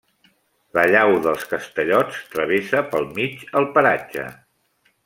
La llau dels Castellots travessa pel mig el paratge.